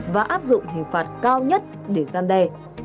và áp dụng hình phạt cao nhất để gian đe